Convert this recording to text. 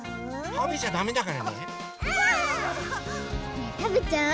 ねえたべちゃう？